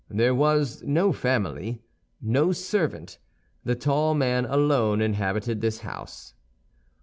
There was no family, no servant; the tall man alone inhabited this house.